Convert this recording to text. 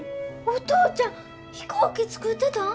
お父ちゃん飛行機作ってたん！？